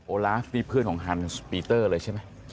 ลาฟนี่เพื่อนของฮันส์ปีเตอร์เลยใช่ไหม